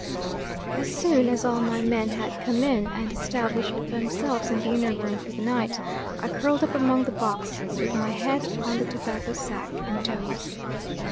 As soon as all my men had come in, and established themselves in the inner room for the night, I curled up among the boxes, with my head on the tobacco sack, and dozed.